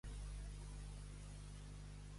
Tot no són glòries, que també hi ha algun rèquiem.